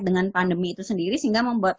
dengan pandemi itu sendiri sehingga membuat